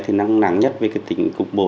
thì năng nắng nhất về cái tình cục bộ